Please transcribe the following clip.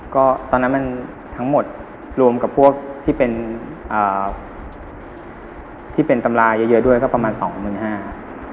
ก็ตอนนั้นมันทั้งหมดรวมกับพวกที่เป็นตำราเยอะด้วยก็ประมาณ๒๕๐๐๐บาท